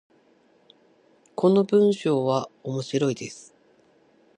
この文章は面白いです。